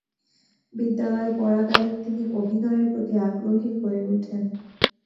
বিশ্ববিদ্যালয়ে পড়াকালীন তিনি অভিনয়ের প্রতি আগ্রহী হয়ে ওঠেন।